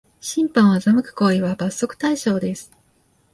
審判を欺く行為は罰則対象です